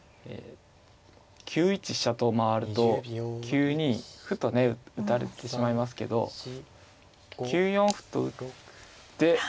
９一飛車と回ると９二歩と打たれてしまいますけど９四歩と打って。